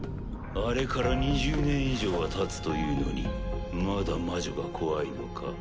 あれから２０年以上はたつというのにまだ魔女が怖いのか？